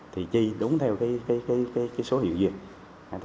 thì chi đúng theo số hiệu duyệt